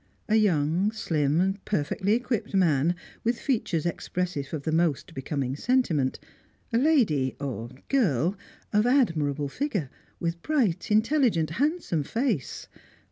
A young, slim, perfectly equipped man, with features expressive of the most becoming sentiment; a lady or girl of admirable figure, with bright, intelligent, handsome face.